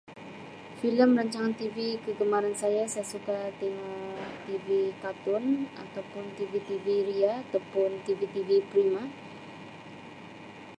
Filem rancangan TV kegemaran saya saya suka tengok TV katun atau pun TV TV ria atau pun TV TV prima.